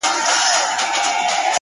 يو چا تضاده کړم؛ خو تا بيا متضاده کړمه؛